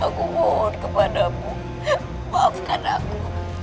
aku mohon kepadamu maafkan aku